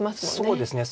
そうですね。